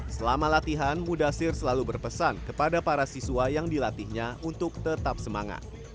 selama latihan mudasir selalu berpesan kepada para siswa yang dilatihnya untuk tetap semangat